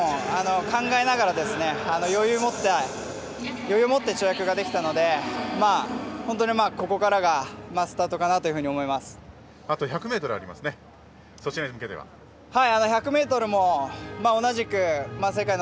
１本１本考えながら余裕を持って跳躍ができたので本当にここからがスタートかなとあと１００ｍもありますね。